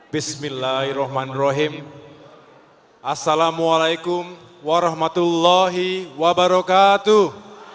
bismillahirrahmanirrahim assalamualaikum warahmatullahi wabarakatuh